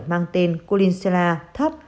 mang tên kulinshela thấp